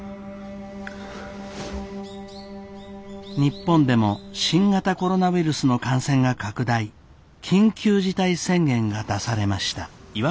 日本でも新型コロナウイルスの感染が拡大緊急事態宣言が出されました。